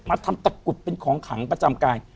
ทำตะกรุดเป็นของขังประจำกาย